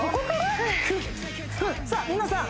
さあ皆さん